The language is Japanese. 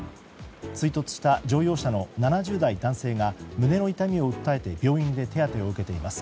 追突した乗用車の７０代男性が胸の痛みを訴えて病院で手当てを受けています。